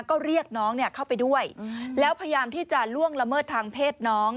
ก็เรียกน้องเข้าไปด้วยแล้วพยายามที่จะล่วงละเมิดทางเพศน้อง